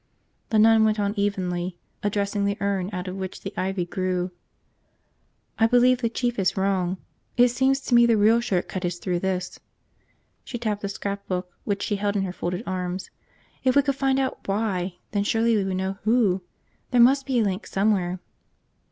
The nun went on evenly, addressing the urn out of which the ivy grew. "I believe the Chief is wrong. It seems to me the real short cut is through this." She tapped the scrapbook which she held in her folded arms. "If we could find out why, then surely we would know who. There must be a link somewhere."